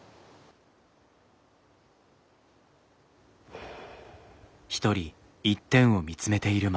ふう。